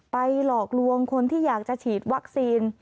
หลอกลวงคนที่อยากจะฉีดวัคซีน